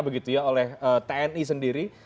begitu ya oleh tni sendiri